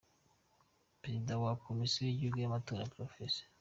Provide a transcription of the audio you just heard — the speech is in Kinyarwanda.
Perezida wa Komisiyo y’Igihugu y’amatora, Prof.